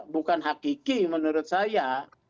bukan hakiki menurut saya